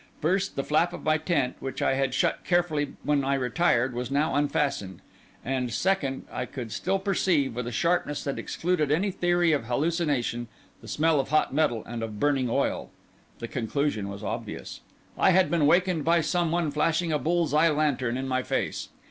First, the flap of my tent, which I had shut carefully when I retired, was now unfastened; and, second, I could still perceive, with a sharpness that excluded any theory of hallucination, the smell of hot metal and of burning oil. The conclusion was obvious. I had been wakened by some one flashing a bull's eye lantern in my face.